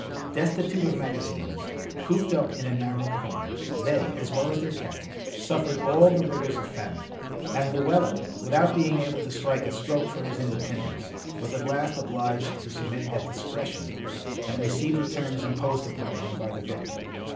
Destitute of magazines, cooped up in a narrow corner, they, as well as their cattle, suffered all the rigors of famine; and Lewellyn, without being able to strike a stroke for his independence, was at last obliged to submit at discretion, and receive the terms imposed upon him by the victor.